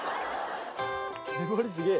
粘りすげぇ。